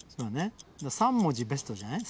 ３文字ベストじゃない？